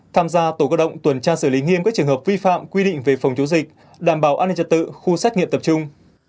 tham gia tổ cơ động tuần tra xử lý nghiêm các trường hợp vi phạm quy định về phòng chống dịch đảm bảo an ninh trật tự khu xét nghiệm tập trung